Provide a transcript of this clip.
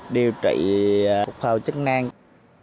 vì vậy trung tâm dần trở thành ngôi nhà thân thiện của các em